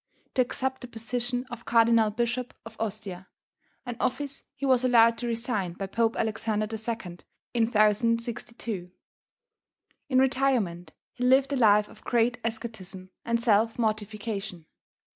to accept the position of Cardinal Bishop of Ostia, an office he was allowed to resign by Pope Alexander II. in 1062. In retirement he lived a life of great asceticism and self mortification.